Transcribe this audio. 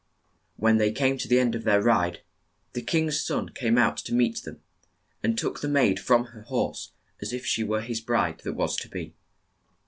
When they came to the end of their ride, the king's son came out to meet them, and took the maid from her horse as if she were his bride that was to be.